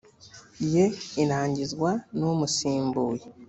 ye irangizwa n umusimbuye